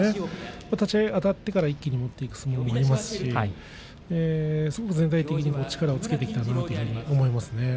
立ち合いあたってから一気に持っていく相撲も王鵬ありますし全体的に力をつけているなと思いますね。